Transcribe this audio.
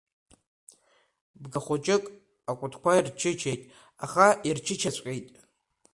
Бгахәыҷык акәтқәа ирчычеит, аха ирчычаҵәҟьеит.